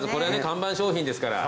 看板商品ですから。